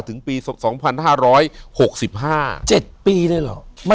อยู่ที่แม่ศรีวิรัยิลครับ